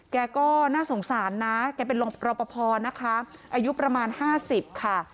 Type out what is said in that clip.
แกก็น่าสงสารนะแกเป็นรอปภนะคะอายุประมาณ๕๐ค่ะ